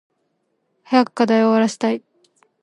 早く課題終わらしたい。